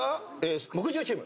木１０チーム。